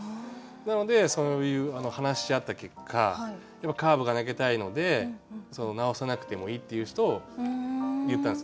なので話し合った結果やっぱカーブが投げたいので直さなくてもいいっていう言ったんです。